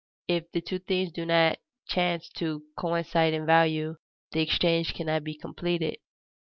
If the two things do not chance to coincide in value, the exchange cannot be completed.